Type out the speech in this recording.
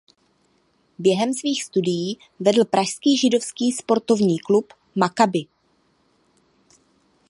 Během svých studií vedl pražský židovský sportovní klub Makabi.